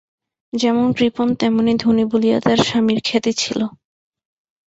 যেমন কৃপণ তেমনি ধনী বলিয়া তার স্বামীর খ্যাতি ছিল।